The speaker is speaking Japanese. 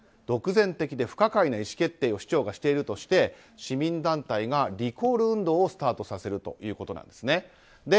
独善的で不可解な意思決定を市長がしているとして市民団体がリコール運動をスタートさせるということなんですね。